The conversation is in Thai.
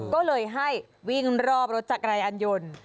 ก็ให้วิ่งรอบรถจักรยายอาญ่น